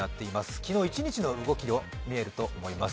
昨日一日の動きが見えると思います。